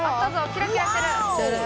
キラキラしてる。